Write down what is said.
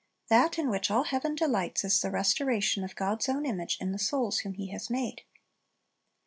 That in which all heaven delights is the restoration of God's own image in the souls whom He has made.